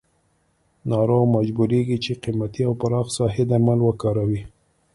ناروغ مجبوریږي چې قیمتي او پراخ ساحې درمل وکاروي.